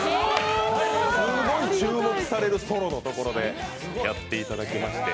すごい注目されるソロのところでやっていただきまして。